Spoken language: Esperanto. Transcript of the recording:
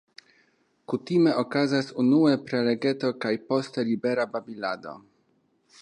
Kutime okazas unue prelegeto kaj poste libera babilado.